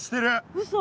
うそ？